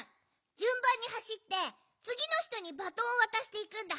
じゅんばんにはしってつぎのひとにバトンをわたしていくんだ。